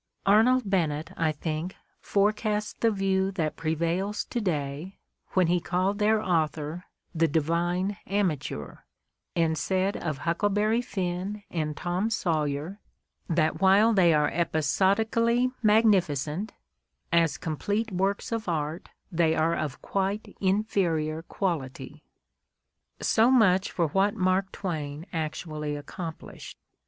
Arnold Bennett, I think, forecast the view that prevails to day when he called their author the "divine amateur" and said of "Huckleberry Finn" and "Tom Sawyer" that while they are "episodically magnificent, i6 The Ordeal of Mark Twain as complete works of art they are of quite inferior quality. '' So much for what Mark Twain actually accomplished.